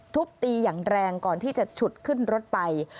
ทุบตีอย่างแรงก่อนที่จะฉุดขึ้นรถไป